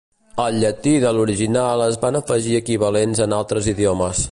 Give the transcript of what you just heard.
Al llatí de l'original es van afegir equivalents en altres idiomes.